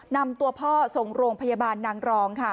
นำตัวพ่อส่งโรงพยาบาลนางรองค่ะ